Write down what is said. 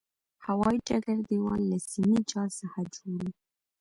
هوایي ډګر دېوال له سیمي جال څخه جوړ و.